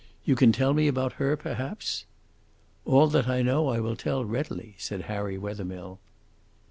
"You can tell me about her perhaps?" "All that I know I will tell readily," said Harry Wethermill.